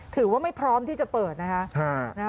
ถือว่าไม่พร้อมที่จะเปิดนะคะ